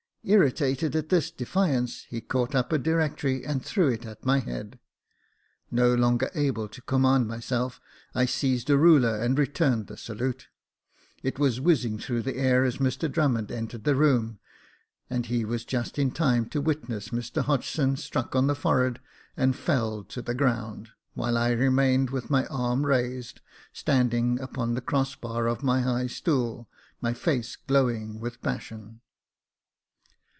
Irritated at this defiance, he caught up a directory, and threw it at my head. No longer able to command myself, I seized a ruler and returned the salute. It was whizzing through the air as Mr Drummond entered the room ; and he was just in time to witness Mr Hodgson struck on the forehead and felled to the ground, while I remained with my arm raised, standing upon the cross bar of my high stool, my face glowing with passion.